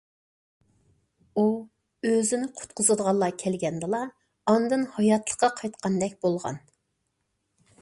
ئۇ ئۆزىنى قۇتقۇزىدىغانلار كەلگەندىلا ئاندىن ھاياتلىققا قايتقاندەك بولغان.